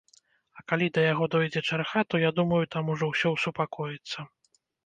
А калі да яго дойдзе чарга, то, я думаю, там ужо ўсё супакоіцца.